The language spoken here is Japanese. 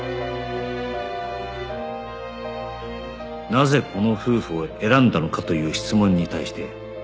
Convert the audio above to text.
「なぜこの夫婦を選んだのか？」という質問に対して